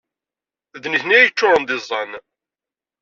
D nitni ay yeččuṛen d iẓẓan.